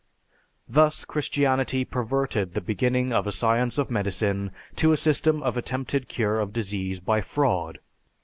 Thus Christianity perverted the beginning of a science of medicine to a system of attempted cure of disease by fraud.